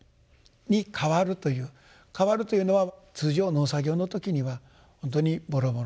「かわる」というのは通常農作業の時には本当にぼろぼろの。